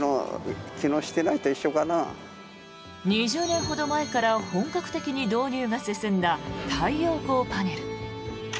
２０年ほど前から本格的に導入が進んだ太陽光パネル。